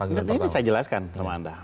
berarti ini saya jelaskan sama anda